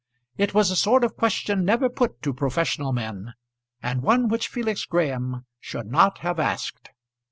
It was a sort of question never put to professional men, and one which Felix Graham should not have asked.